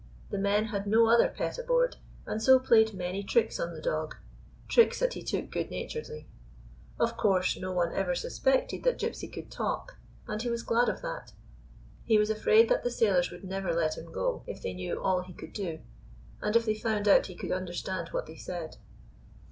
The men had no other pet aboard, and so played many tricks on the dog — tricks that he took good naturedly. Of course, no one ever suspected that Gypsy could talk, and he was glad of that. He was afraid that the sailors would never let him go if they knew all he could do, and if they found out he could understand what they said.